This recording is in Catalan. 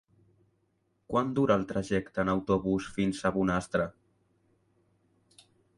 Quant dura el trajecte en autobús fins a Bonastre?